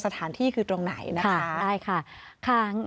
สถานที่คือตรงไหนนะคะได้ค่ะ